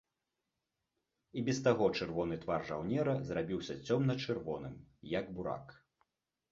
І без таго чырвоны твар жаўнера зрабіўся цёмна-чырвоным, як бурак.